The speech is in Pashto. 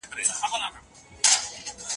د موبایل سکرین په توره تیاره کې ډېره رڼا وکړه.